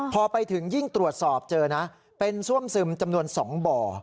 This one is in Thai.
พอไปถึงยิ่งตรวจสอบเจอนะเป็นซ่วมซึมจำนวน๒บ่อ